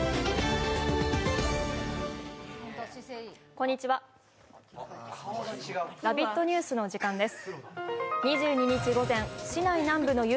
こんにちは、「ラヴィット！ニュース」の時間です。